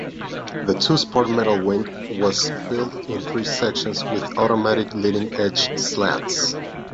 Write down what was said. The two-spar metal wing was built in three sections with automatic leading edge slats.